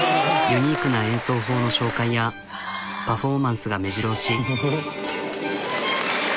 ユニークな演奏法の紹介やパフォーマンスがめじろ押し。